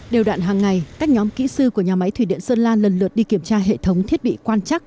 đều đạn hàng ngày các nhóm kỹ sư của nhà máy thủy điện sơn la lần lượt đi kiểm tra hệ thống thiết bị quan chắc